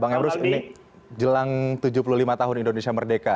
bang emrus ini jelang tujuh puluh lima tahun indonesia merdeka